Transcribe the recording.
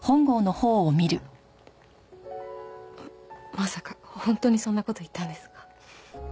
まさか本当にそんな事言ったんですか？